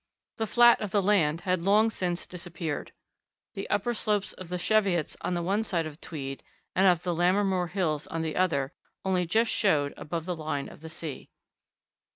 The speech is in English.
The flat of the land had long since disappeared: the upper slopes of the Cheviots on one side of Tweed and of the Lammermoor Hills on the other, only just showed above the line of the sea.